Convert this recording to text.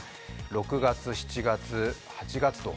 ６月、７月、８月と。